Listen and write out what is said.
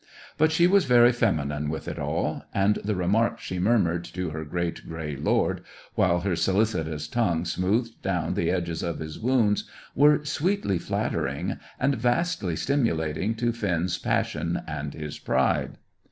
But she was very feminine with it all, and the remarks she murmured to her great grey lord, while her solicitous tongue smoothed down the edges of his wounds were sweetly flattering and vastly stimulating to Finn's passion and his pride.